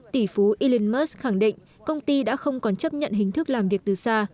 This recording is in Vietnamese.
tỷ phú elon musk khẳng định công ty đã không còn chấp nhận hình thức làm việc từ xa